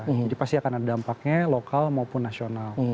jadi pasti akan ada dampaknya lokal maupun nasional